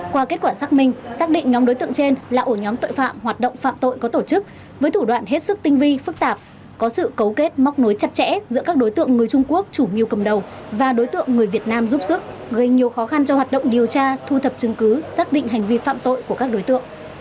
qua kết quả xác minh xác định nhóm đối tượng trên là ổ nhóm tội phạm hoạt động phạm tội có tổ chức với thủ đoạn hết sức tinh vi phức tạp có sự cấu kết móc nối chặt chẽ giữa các đối tượng người trung quốc chủ mưu cầm đầu và đối tượng người việt nam giúp sức gây nhiều khó khăn cho hoạt động điều tra thu thập chứng cứ xác định hành vi phạm tội của các đối tượng